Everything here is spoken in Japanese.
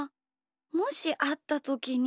もしあったときに。